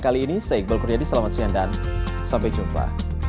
kali ini saya iqbal kuryadi selamat siang dan sampai jumpa